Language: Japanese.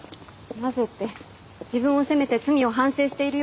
なぜって自分を責めて罪を反省しているようでしたし。